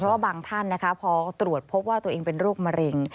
เพราะว่าบางท่านนะคะพอตรวจพบว่าตัวเองเป็นโรคมะเร็ง